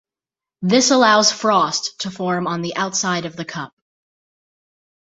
This allows frost to form on the outside of the cup.